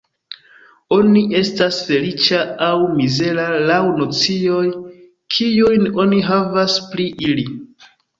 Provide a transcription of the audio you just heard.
Oni estas feliĉa aŭ mizera laŭ nocioj, kiujn oni havas pri ili.